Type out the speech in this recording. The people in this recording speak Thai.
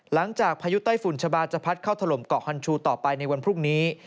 พายุไต้ฝุ่นชะบาจะพัดเข้าถล่มเกาะฮันชูต่อไปในวันพรุ่งนี้